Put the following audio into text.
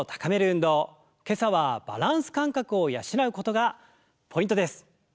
今朝はバランス感覚を養うことがポイントです！